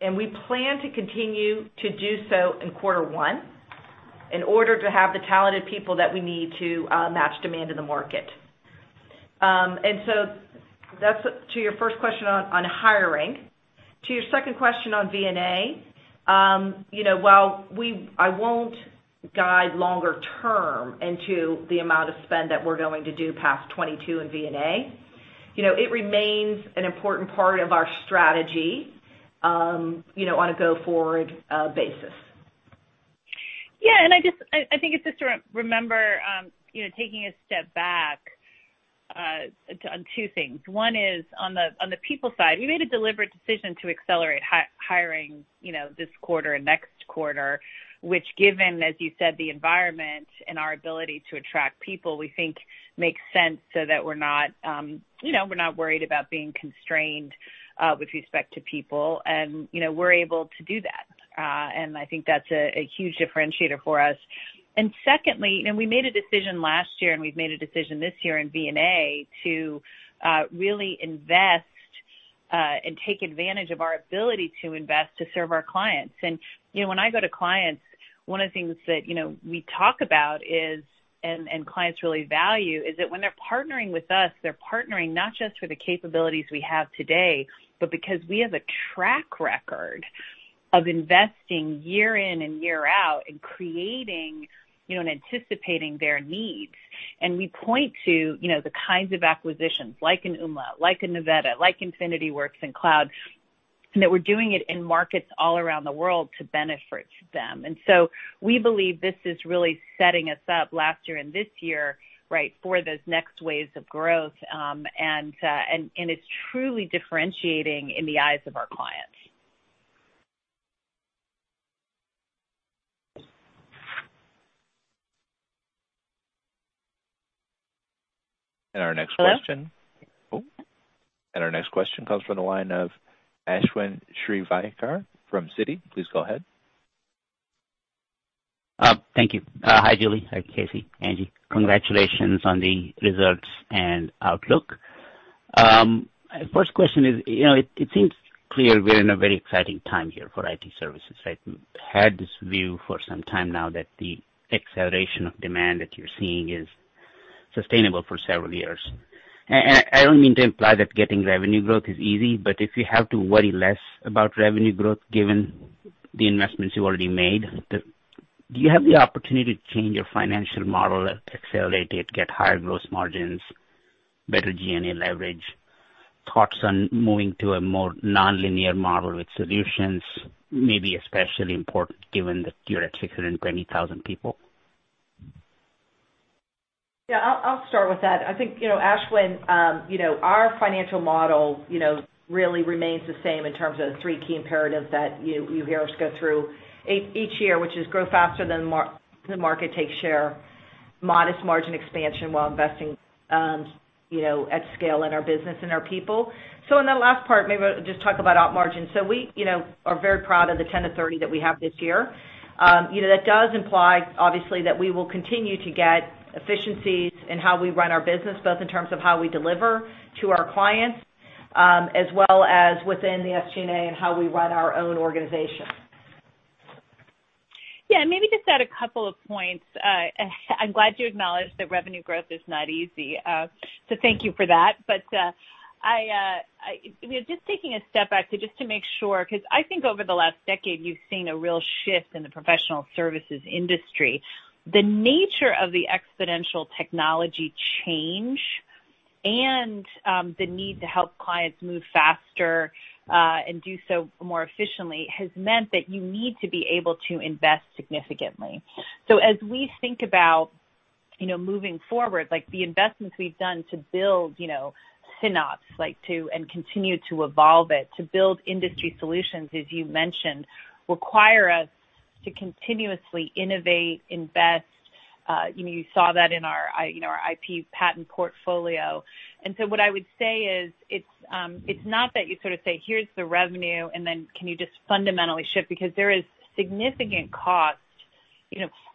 and we plan to continue to do so in quarter one in order to have the talented people that we need to match demand in the market. That's to your first question on hiring. To your second question on M&A, while I won't guide longer term into the amount of spend that we're going to do past 2022 in M&A, it remains an important part of our strategy on a go-forward basis. Yeah, I think it's just to remember, taking a step back on two things. One is on the people side. We made a deliberate decision to accelerate hiring this quarter and next quarter, which given, as you said, the environment and our ability to attract people, we think makes sense so that we're not worried about being constrained with respect to people, and we're able to do that. I think that's a huge differentiator for us. Secondly, we made a decision last year, and we've made a decision this year in M&A to really invest and take advantage of our ability to invest to serve our clients. When I go to clients, one of the things that we talk about is, and clients really value, is that when they're partnering with us, they're partnering not just for the capabilities we have today, but because we have a track record of investing year in and year out and creating and anticipating their needs. We point to the kinds of acquisitions, like an umlaut, like a Novetta, like Infinity Works in Cloud, that we're doing it in markets all around the world to benefit them. We believe this is really setting us up last year and this year, right, for those next waves of growth. It's truly differentiating in the eyes of our clients. Our next question. Hello? Oh. Our next question comes from the line of Ashwin Shirvaikar from Citi. Please go ahead. Thank you. Hi, Julie. Hi, KC, Angie. Congratulations on the results and outlook. First question is, it seems clear we're in a very exciting time here for IT services, right? We've had this view for some time now that the acceleration of demand that you're seeing is sustainable for several years. I don't mean to imply that getting revenue growth is easy, but if you have to worry less about revenue growth given the investments you already made, do you have the opportunity to change your financial model, accelerate it, get higher gross margins, better G&A leverage? Thoughts on moving to a more nonlinear model with solutions may be especially important given that you're at 620,000 people. Yeah, I'll start with that. I think, Ashwin, our financial model really remains the same in terms of the three key imperatives that you hear us go through each year, which is grow faster than the market, take share, modest margin expansion while investing at scale in our business and our people. In that last part, maybe I'll just talk about op margin. We are very proud of the 10-30 that we have this year. That does imply, obviously, that we will continue to get efficiencies in how we run our business, both in terms of how we deliver to our clients, as well as within the SG&A and how we run our own organization. Yeah, maybe just add a couple of points. I'm glad you acknowledged that revenue growth is not easy, so thank you for that. Just taking a step back just to make sure, because I think over the last decade, you've seen a real shift in the professional services industry. The nature of the exponential technology change and the need to help clients move faster and do so more efficiently has meant that you need to be able to invest significantly. As we think about moving forward, like the investments we've done to build SynOps and continue to evolve it, to build industry solutions, as you mentioned, require us to continuously innovate, invest. You saw that in our IP patent portfolio. What I would say is, it's not that you sort of say, "Here's the revenue, and then can you just fundamentally shift?" There is significant cost.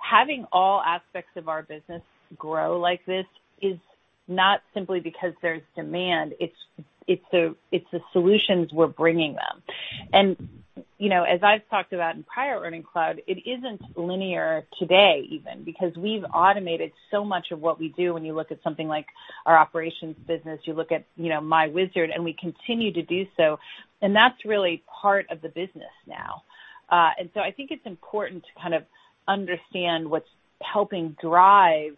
Having all aspects of our business grow like this is not simply because there's demand. It's the solutions we're bringing them. As I've talked about in prior Earnings Call, it isn't linear today even, because we've automated so much of what we do when you look at something like our operations business, you look at myWizard, and we continue to do so. That's really part of the business now. I think it's important to kind of understand what's helping drive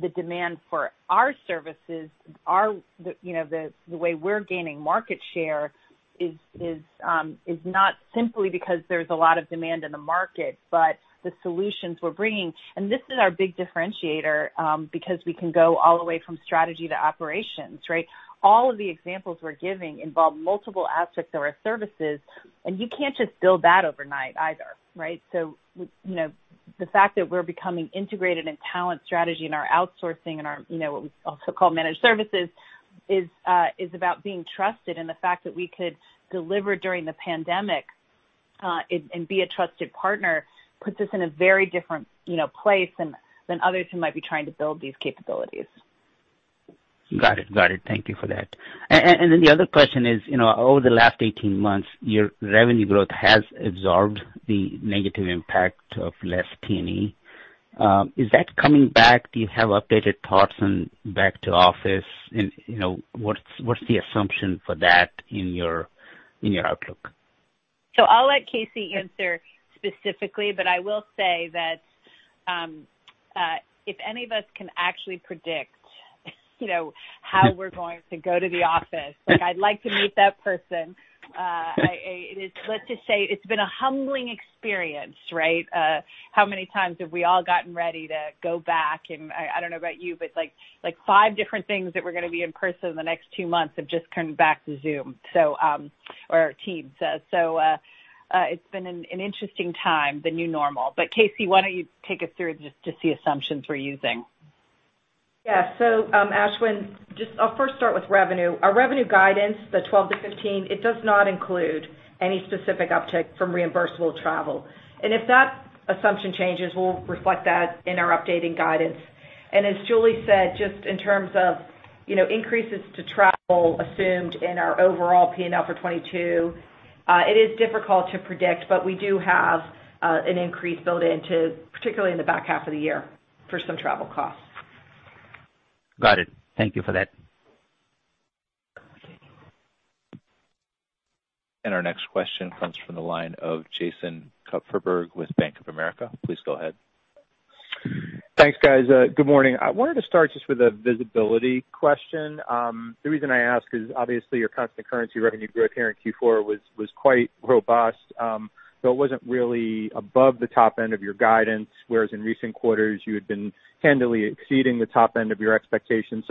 the demand for our services. The way we're gaining market share is not simply because there's a lot of demand in the market, but the solutions we're bringing. This is our big differentiator, because we can go all the way from strategy to operations, right? All of the examples we're giving involve multiple aspects of our services, and you can't just build that overnight either, right? The fact that we're becoming integrated in talent strategy in our outsourcing and what we also call managed services is about being trusted. The fact that we could deliver during the pandemic, and be a trusted partner puts us in a very different place than others who might be trying to build these capabilities. Got it. Thank you for that. The other question is, over the last 18 months, your revenue growth has absorbed the negative impact of less T&E. Is that coming back? Do you have updated thoughts on back to office? What's the assumption for that in your outlook? I'll let KC answer specifically, but I will say that if any of us can actually predict how we're going to go to the office, like I'd like to meet that person. Let's just say it's been a humbling experience, right? How many times have we all gotten ready to go back and, I don't know about you, but like five different things that were going to be in person in the next two months have just come back to Zoom or Teams. It's been an interesting time, the new normal. KC, why don't you take us through just the assumptions we're using? Yeah. Ashwin, I'll first start with revenue. Our revenue guidance, the 12%-15%, it does not include any specific uptick from reimbursable travel. If that assumption changes, we'll reflect that in our updating guidance. As Julie said, just in terms of increases to travel assumed in our overall P&L for 2022. It is difficult to predict, but we do have an increase built in, particularly in the back half of the year for some travel costs. Got it. Thank you for that. Our next question comes from the line of Jason Kupferberg with Bank of America. Please go ahead. Thanks, guys. Good morning. I wanted to start just with a visibility question. The reason I ask is obviously your constant currency revenue growth here in Q4 was quite robust. It wasn't really above the top end of your guidance, whereas in recent quarters, you had been handily exceeding the top end of your expectations.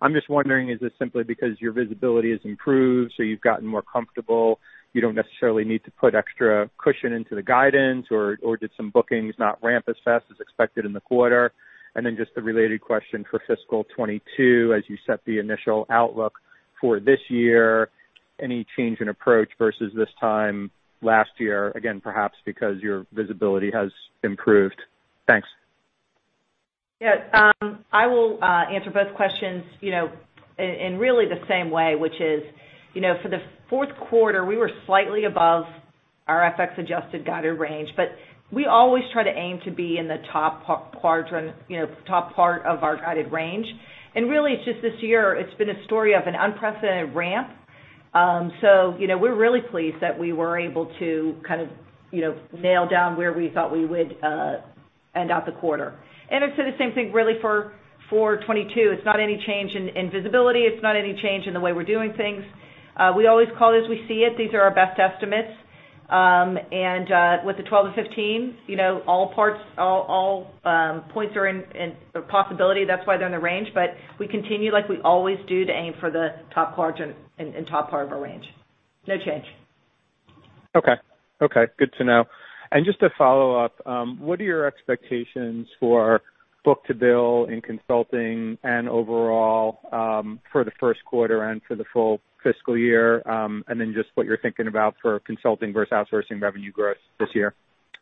I'm just wondering, is this simply because your visibility has improved, so you've gotten more comfortable, you don't necessarily need to put extra cushion into the guidance, or did some bookings not ramp as fast as expected in the quarter? Then just the related question for fiscal 2022, as you set the initial outlook for this year, any change in approach versus this time last year, again, perhaps because your visibility has improved? Thanks. Yeah. I will answer both questions in really the same way, which is, for the fourth quarter, we were slightly above our FX-adjusted guided range, but we always try to aim to be in the top part of our guided range. Really, it's just this year, it's been a story of an unprecedented ramp. We're really pleased that we were able to kind of nail down where we thought we would end out the quarter. I'd say the same thing really for 2022. It's not any change in visibility. It's not any change in the way we're doing things. We always call it as we see it. These are our best estimates. With the 12%-15%, all points are in possibility, that's why they're in the range. We continue like we always do to aim for the top quadrant and top part of our range. No change. Okay. Good to know. Just to follow-up, what are your expectations for book-to-bill in consulting and overall, for the first quarter and for the full fiscal year? Then just what you're thinking about for consulting versus outsourcing revenue growth this year.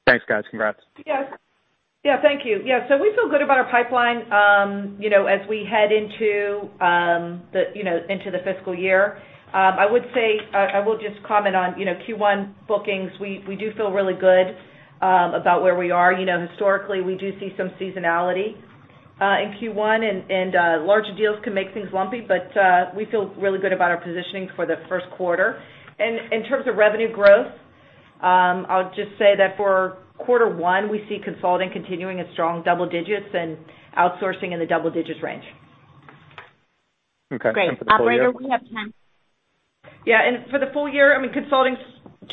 Thanks, guys. Congrats. Thank you. We feel good about our pipeline as we head into the fiscal year. I would say, I will just comment on Q1 bookings. We do feel really good about where we are. Historically, we do see some seasonality in Q1, and larger deals can make things lumpy, but we feel really good about our positioning for the first quarter. In terms of revenue growth, I'll just say that for quarter one, we see consulting continuing at strong double digits and outsourcing in the double digits range. Okay. For the full year? Great. Operator, we have time- Yeah, for the full year, consulting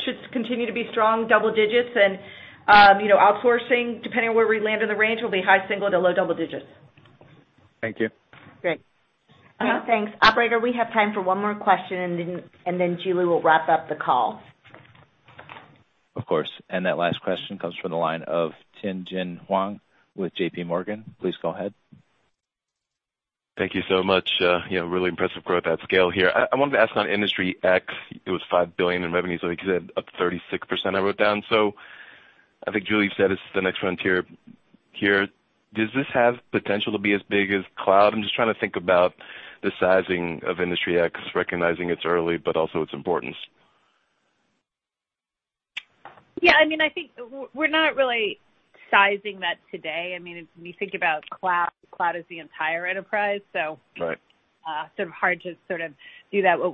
should continue to be strong double digits and outsourcing, depending on where we land in the range, will be high single to low double digits. Thank you. Great. Thanks. Operator, we have time for one more question, and then Julie will wrap up the call. Of course. That last question comes from the line of Tien-Tsin Huang with JPMorgan. Please go ahead. Thank you so much. Really impressive growth at scale here. I wanted to ask on Industry X, it was $5 billion in revenues, up 36%, I wrote down. I think Julie said it's the next frontier here. Does this have potential to be as big as Cloud? I'm just trying to think about the sizing of Industry X, recognizing it's early, but also its importance. Yeah. I think we're not really sizing that today. When you think about Cloud is the entire enterprise, so- Right Sort of hard to sort of do that. We're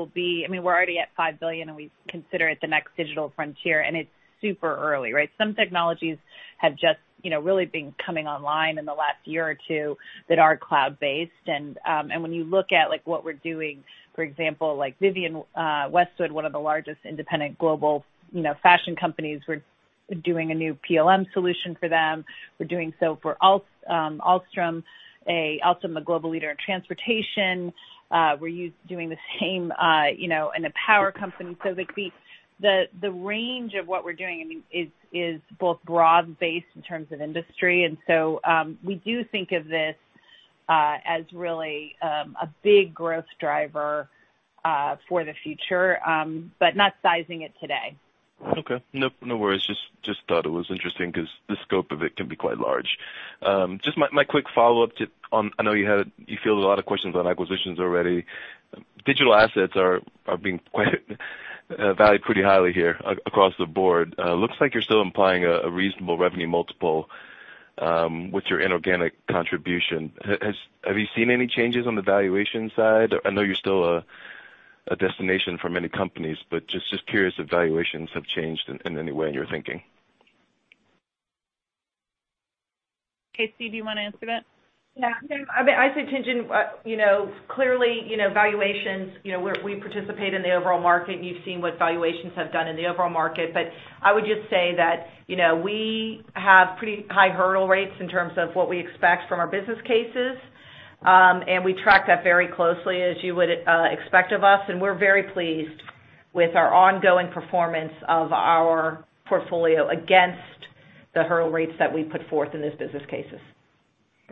already at $5 billion. We consider it the next digital frontier. It's super early, right? Some technologies have just really been coming online in the last year or two that are cloud-based. When you look at what we're doing, for example, like Vivienne Westwood, one of the largest independent global fashion companies, we're doing a new PLM solution for them. We're doing so for Alstom, a global leader in transportation. We're doing the same in a power company. The range of what we're doing is both broad-based in terms of industry. We do think of this as really a big growth driver for the future, not sizing it today. Okay. No worries. Just thought it was interesting because the scope of it can be quite large. Just my quick follow-up, I know you feel a lot of questions on acquisitions already. Digital assets are being valued pretty highly here across the board. Looks like you're still implying a reasonable revenue multiple, with your inorganic contribution. Have you seen any changes on the valuation side? I know you're still a destination for many companies. Just curious if valuations have changed in any way in your thinking. KC McClure, do you want to answer that? Yeah. I'd say Tien-Tsin, clearly valuations, we participate in the overall market, and you've seen what valuations have done in the overall market. I would just say that we have pretty high hurdle rates in terms of what we expect from our business cases. We track that very closely, as you would expect of us, and we're very pleased with our ongoing performance of our portfolio against the hurdle rates that we put forth in those business cases.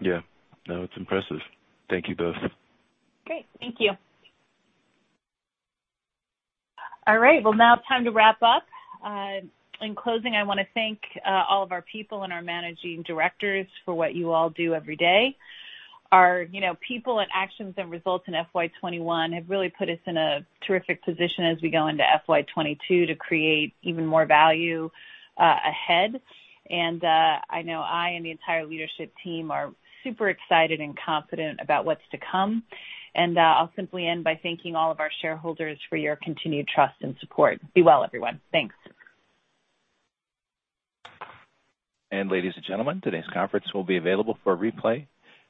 Yeah. No, it's impressive. Thank you both. Great. Thank you. All right, well, now time to wrap up. In closing, I want to thank all of our people and our Managing Directors for what you all do every day. Our people and actions and results in FY 2021 have really put us in a terrific position as we go into FY 2022 to create even more value ahead. I know I and the entire leadership team are super excited and confident about what's to come. I'll simply end by thanking all of our shareholders for your continued trust and support. Be well, everyone. Thanks. And ladies and gentlemen, today's conference will be available for replay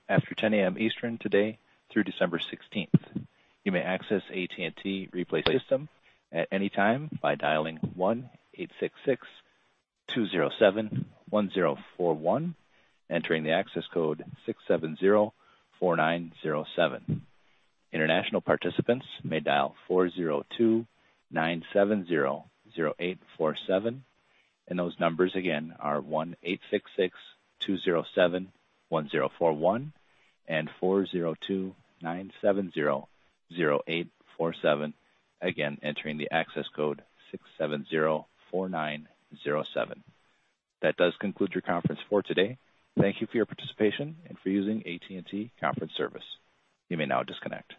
after 10:00 a.m. Eastern today through December 16th. You may access AT&T replay system at any time by dialing 1-866-207-1041, entering the access code 6704907. International participants may dial 402-970-0847, and those numbers again are 1-866-207-1041 and 402-970-0847, again, entering the access code 6704907. That does conclude your conference for today. Thank you for your participation and for using AT&T conference service. You may now disconnect.